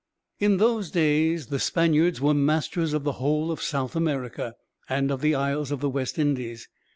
In those days the Spaniards were masters of the whole of South America, and of the Isles of the West Indies.